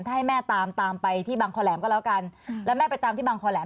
ถ้าให้แม่ตามตามไปที่บางคอแหลมก็แล้วกันแล้วแม่ไปตามที่บางคอแหลม